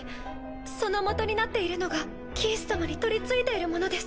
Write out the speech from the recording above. そのもとになっているのがキース様に取り憑いているものです。